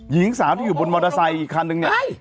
หญิงสาวที่อยู่บนมอเตอร์ไซค์อีกคันนึงเนี่ย